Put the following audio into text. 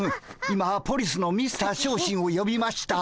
今ポリスのミスター小心をよびました。